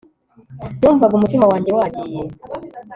numvaga umutima wanjye wagiye